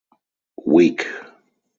Weak!